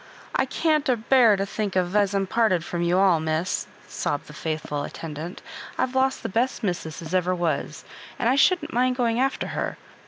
^< I can't abear to think as I'm to be parted from you all, miss," sobbed the faithful attendant. " I've lost the best missus as ever was, and I shouldn't mind going after her.